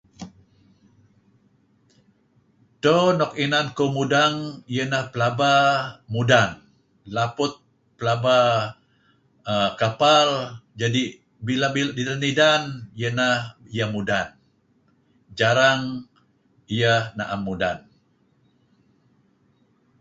Edo nuk inan kuh mudang iahineh pelaba mudan. Laput pelaba kapal. Kadi' bila idan iyeh neh mudan jarang iyeh naem mudan.